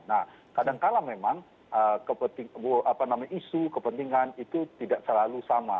nah kadangkala memang isu kepentingan itu tidak selalu sama